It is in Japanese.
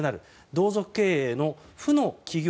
同族経営の負の企業